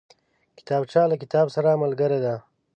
کتابچه له کتاب سره ملګرې ده